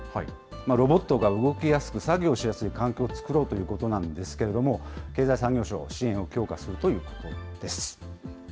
ロボットが動きやすく作業しやすい環境を作ろうということなんですけれども、経済産業省が支援を強化するということです。